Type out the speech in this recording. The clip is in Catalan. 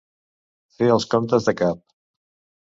Fer els comptes de cap.